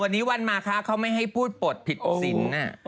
วันนี้วันมาคะเขาไม่ให้พูดปลดผิดสิน